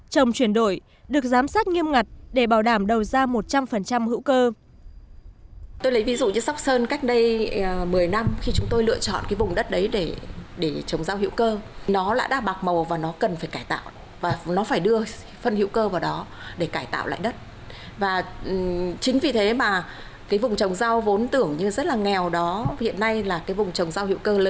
trồng chuyển đổi được giám sát nghiêm ngặt để bảo đảm đầu ra một trăm linh hữu cơ